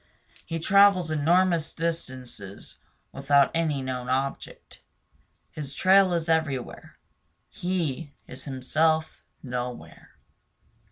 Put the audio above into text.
He travels enormous distances without any known object. His trail is everywhere; he is himself nowhere.